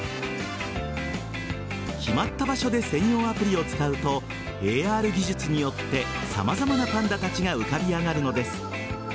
決まった場所で専用アプリを使うとＡＲ技術によって様々なパンダたちが浮かび上がるのです。